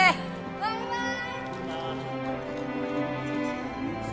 バイバーイ